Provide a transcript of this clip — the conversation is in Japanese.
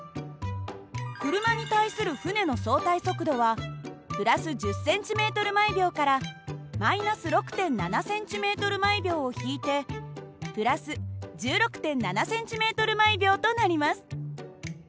車に対する船の相対速度は＋１０ｃｍ／ｓから−６．７ｃｍ／ｓを引いて＋１６．７ｃｍ／ｓとなります。